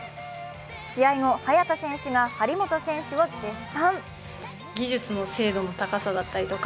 試合後、早田選手が張本選手を絶賛。